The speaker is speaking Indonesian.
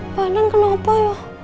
mbak din kenapa ya